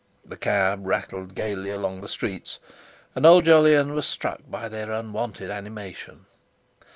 The cab rattled gaily along the streets, and old Jolyon was struck by their unwonted animation.